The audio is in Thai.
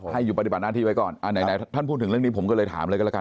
ให้หยุดปฏิบัติหน้าที่ไว้ก่อนอ่าไหนท่านพูดถึงเรื่องนี้ผมก็เลยถามเลยก็แล้วกัน